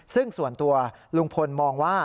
ซึ่งส่วนตัวลุงพลมองว่า